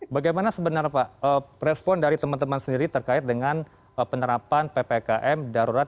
bagaimana sebenarnya pak respon dari teman teman sendiri terkait dengan penerapan ppkm darurat